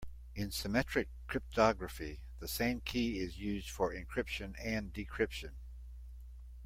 In symmetric cryptography the same key is used for encryption and decryption.